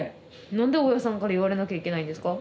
何で大家さんから言われなきゃいけないんですか？